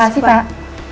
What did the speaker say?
terima kasih pak